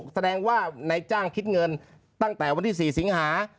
แสดงว่าในจ้างคิดเงินตั้งแต่วันที่๔สิงหา